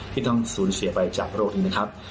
ที่ต้องสูญเสียไปจากโรคนี้นะครับ